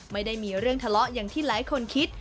ไม่ได้มีเรื่องทะเลาะอย่างที่หลายคนคิด